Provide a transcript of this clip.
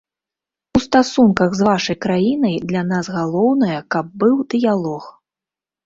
У стасунках з вашай краінай для нас галоўнае, каб быў дыялог.